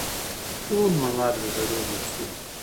ټول مواد له ذرو جوړ شوي.